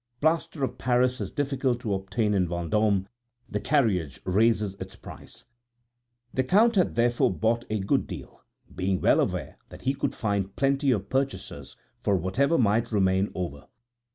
Plaster of Paris is difficult to obtain in Vendôme; the carriage raises its price. The Count had therefore bought a good deal, being well aware that he could find plenty of purchasers for whatever might remain over.